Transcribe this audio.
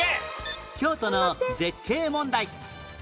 京都の絶景問題